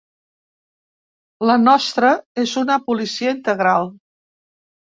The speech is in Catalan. La nostra és una policia integral.